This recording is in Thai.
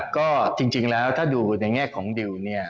ก็จริงแล้วถ้าดูในแง่ของดิวเนี่ย